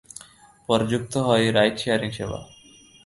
পরে যুক্ত হয় রাইড শেয়ারিং সেবা।